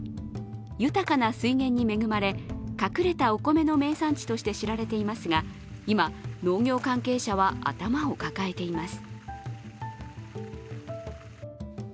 豊かな水源に恵まれ、隠れたお米の名産地として知られていますが今、農業関係者は頭を抱えています。